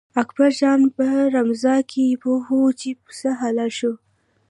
اکبر جان په رمازه کې پوهوه چې پسه حلال شوی.